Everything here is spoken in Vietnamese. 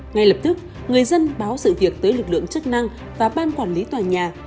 ngay lập tức người dân báo sự việc tới lực lượng chức năng và ban quản lý tòa nhà